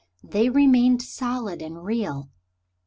They remained solid and real.